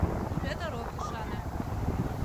Пӧтыр ок ӱшане.